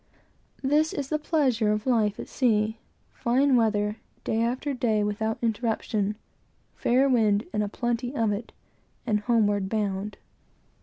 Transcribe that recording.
This is the pleasure of life at sea, fine weather, day after day, without interruption, fair wind, and a plenty of it, and homeward bound.